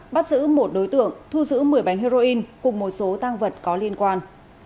bắt giữ một đối tượng thu giữ một mươi bánh heroin cùng một số tăng vật có liên quan